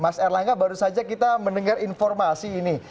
mas erlangga baru saja kita mendengar informasi ini